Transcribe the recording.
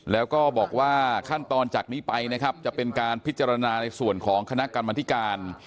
แล้วก็บอกว่าขั้นตอนจากนี้ไปนะครับจะเป็นการพิจารณาในส่วนของคณะกรรมธิการ